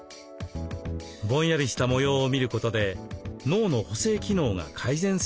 ぼんやりした模様を見ることで脳の補正機能が改善すると考えられます。